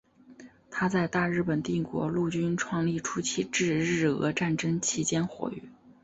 他在大日本帝国陆军创立初期至日俄战争期间活跃。